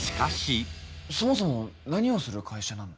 そもそも何をする会社なの？